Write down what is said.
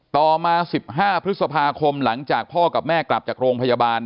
ต่อมา๑๕พฤษภาคมหลังจากพ่อกับแม่กลับจากโรงพยาบาล